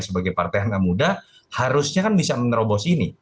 sebagai partai anak muda harusnya kan bisa menerobos ini